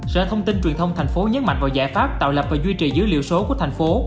sở thông tin truyền thông tp nhấn mạnh vào giải pháp tạo lập và duy trì dữ liệu số của tp